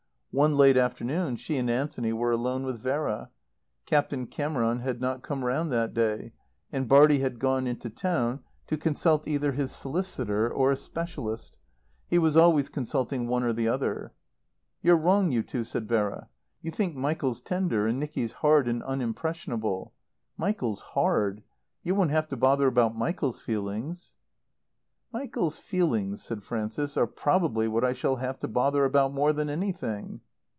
One late afternoon she and Anthony were alone with Vera. Captain Cameron had not come round that day, and Bartie had gone into town to consult either his solicitor or a specialist. He was always consulting one or the other. "You're wrong, you two," said Vera. "You think Michael's tender and Nicky's hard and unimpressionable. Michael's hard. You won't have to bother about Michael's feelings." "Michael's feelings," said Frances, "are probably what I shall have to bother about more than anything."